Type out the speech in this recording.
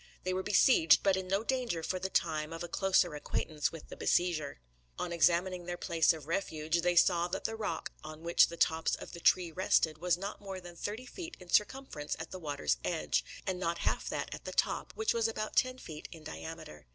They were besieged, but in no danger for the time of a closer acquaintance with the besieger. On examining their place of refuge, they saw that the rock on which the tops of the tree rested, was not more than thirty feet in circumference at the water's edge; and not half that at the top, which was about ten feet in diameter.